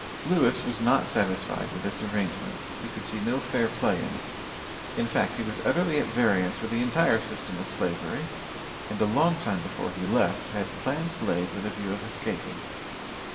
Lewis was not satisfied with this arrangement; he could see no fair play in it. In fact, he was utterly at variance with the entire system of Slavery, and, a long time before he left, had plans laid with a view of escaping.